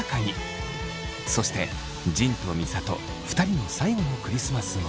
そして仁と美里２人の最後のクリスマスも。